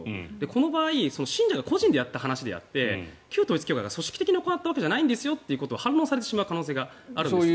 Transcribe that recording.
この場合信者が個人でやった話で旧統一教会が組織的に行ったわけじゃないんですよと反論されてしまう可能性があるんです。